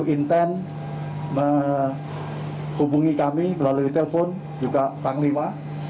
begitu intent menghubungi kami melalui telepon juga pak panglima